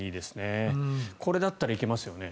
これだったらいけますよね